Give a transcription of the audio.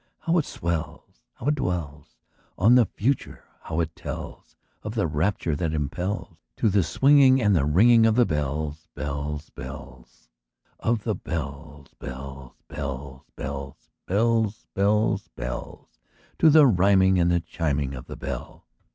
How it swells! How it dwells On the Future! how it tells Of the rapture that impels To the swinging and the ringing Of the bells, bells, bells Of the bells, bells, bells, bells, Bells, bells, bells To the rhyming and the chiming of the bells!